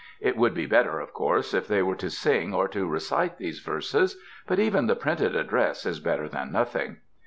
It would be better, of course, if they were to sing or to recite these verses, but even the printed address is better than nothing.